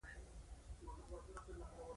چې تاسې پکې د پام وړ پيسو اندازه ليکلې ده.